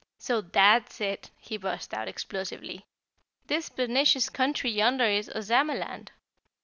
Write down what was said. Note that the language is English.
"So THAT'S it!" he burst out explosively. "This pernicious country yonder is Ozamaland.